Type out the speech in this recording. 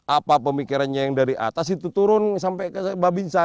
apa pemikirannya yang dari atas itu turun sampai ke babinsa